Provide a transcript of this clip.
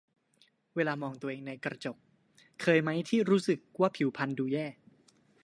เวลามองตัวเองในกระจก เคยไหมที่รู้สึกว่าผิวพรรณดูแย่